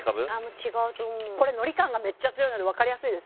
もう違うと思うこれ海苔感がめっちゃ強いので分かりやすいです